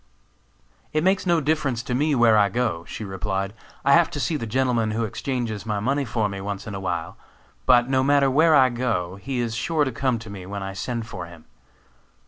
"It makes no difference to me where I go," she replied, "I have to see the gentleman who exchanges my money for me, once in a while; but no matter where I go, he is sure to come to me when I send for him.